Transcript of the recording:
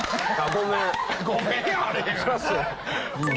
ごめん。